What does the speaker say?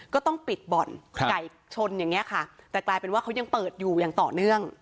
ก็ต้องปิดบ่อนไก่ชนอย่างเงี้ยค่ะแต่กลายเป็นว่าเขายังเปิดอยู่อย่างต่อเนื่อง